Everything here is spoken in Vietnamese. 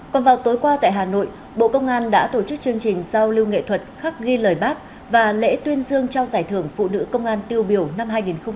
còn vào tối qua tại hà nội bộ công an đã tổ chức chương trình giao lưu nghệ thuật khắc ghi lời bác và lễ tuyên dương trao giải thưởng phụ nữ công an tiêu biểu năm hai nghìn hai mươi ba